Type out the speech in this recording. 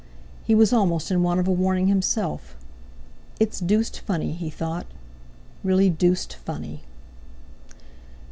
He was almost in want of a warning himself. "It's deuced funny!" he thought, "really deuced funny!"